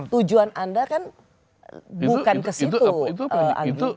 tujuan anda kan bukan ke situ agi